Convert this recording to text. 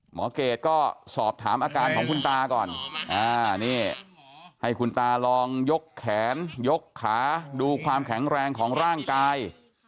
เกรดก็สอบถามอาการของคุณตาก่อนนี่ให้คุณตาลองยกแขนยกขาดูความแข็งแรงของร่างกาย